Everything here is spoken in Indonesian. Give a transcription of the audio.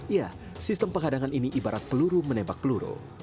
ya sistem penghadangan ini ibarat peluru menembak peluru